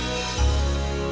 sampai jumpa lagi